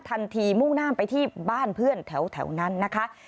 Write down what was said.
มุ่งหน้าไปที่บ้านเพื่อนแถวนั้นนะคะ